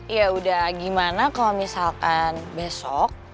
yaudah gimana kalau misalkan besok